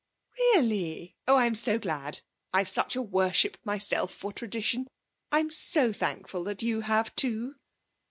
'Really? Oh, I'm so glad I've such a worship myself for tradition. I'm so thankful that you have, too.'